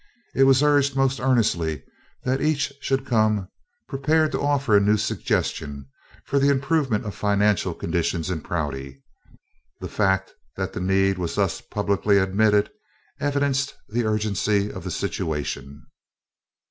It was urged most earnestly that each should come prepared to offer a new suggestion for the improvement of financial conditions in Prouty. The fact that the need was thus publicly admitted evidenced the urgency of the situation.